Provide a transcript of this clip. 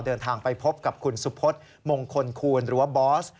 เดินทางไปพบกับคุณสุพศมงคลคูณหรือว่าบอส